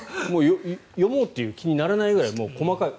読もうという気にならないぐらい細かい。